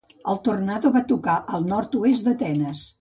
El tornado va tocar el nord-oest d'Atenes.